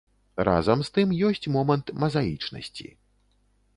Разам з тым ёсць момант мазаічнасці.